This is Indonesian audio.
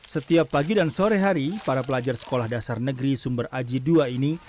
setiap pagi dan sore hari para pelajar sekolah dasar negeri sumber aji ii ini